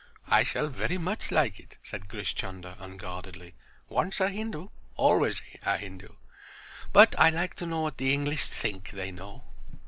"I shall very much like it," said Grish Chunder, unguardedly. "Once a Hindu—always a Hindu. But I like to know what the English think they know."